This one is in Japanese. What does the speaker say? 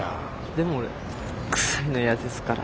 でも俺臭いのやですから。